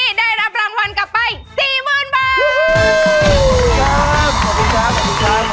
สุโคไทยครับสุโคไทยครับสุโคไทยครับ